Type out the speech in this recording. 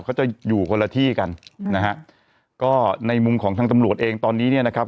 เขาจะอยู่คนละที่กันนะฮะก็ในมุมของทางตำรวจเองตอนนี้เนี่ยนะครับ